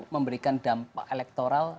memberikan dampak elektoral